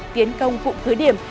tiến công vụ cưới điểm